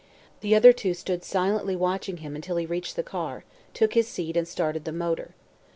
The other two stood silently watching him until he reached the car, took his seat and started the motor.